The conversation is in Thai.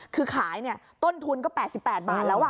คือขายต้นทุนก็๘๘บาทแล้ว